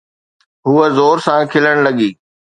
هوءَ زور سان کلڻ لڳي.